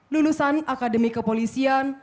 lulusan akademi kepolisian